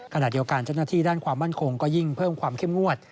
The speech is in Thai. ขณะเดียวกันเจ้าหน้าที่ด้านความมั่นคงก็ยิ่งเพิ่มความเข้มงวด